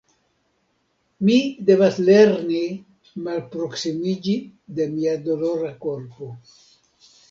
Mi devas lerni malproksimiĝi de mia dolora korpo.